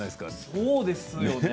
そうですね。